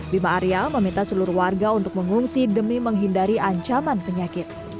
bima arya meminta seluruh warga untuk mengungsi demi menghindari ancaman penyakit